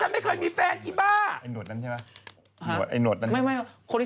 ไม่รู้เรื่องกันเลย